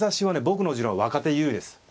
僕の持論は若手優位です。